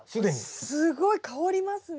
すごい香りますね。